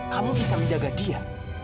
kamu bisa menjaga dia